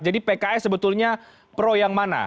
jadi pks sebetulnya pro yang mana